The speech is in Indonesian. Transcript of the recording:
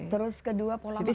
terus kedua pola makan